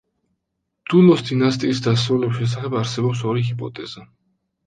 დულოს დინასტიის დასრულების შესახებ არსებობს ორი ჰიპოთეზა.